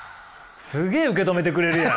すげえ受け止めてくれるやん！